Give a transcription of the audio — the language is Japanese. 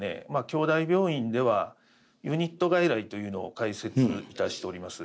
京大病院ではユニット外来というのを開設いたしております。